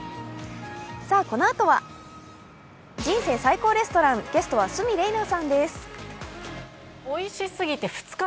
さあ、このあとは「人生最高レストラン」、ゲストは鷲見玲奈さんです。